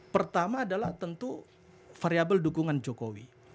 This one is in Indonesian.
pertama adalah tentu variable dukungan jokowi